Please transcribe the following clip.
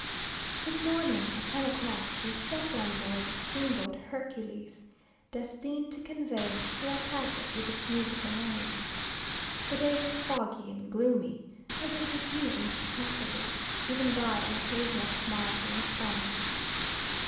This morning, at ten o'clock, we stepped on board the steamboat Hercules, destined to convey us to our packet with its musical name. The day was foggy and gloomy, as if refusing to be comforted, even by an occasional smile from the sun.